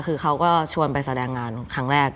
คือเขาก็ชวนไปแสดงงานครั้งแรก